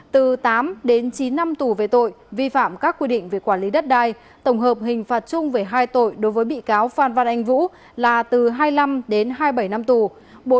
từ tám đến chín năm tù về tội vi phạm các quy định về quản lý đất đai tổng hợp hình phạt chung về hai tội đối với bị cáo phan văn anh vũ là từ hai mươi năm đến hai mươi bảy năm tù